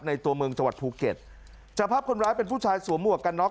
ในตัวเมืองจวดภูเกียร์จะภาพคนร้ายเป็นผู้ชายสวมหมวกกันน็อค